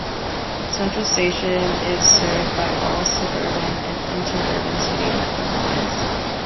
Central station is served by all suburban and interurban City network lines.